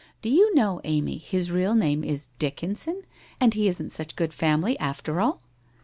Do you know, Amy, his real name is Dickinson and he isn't such good family after all